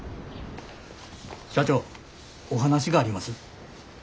社長お話があります。